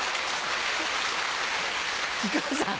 木久扇さん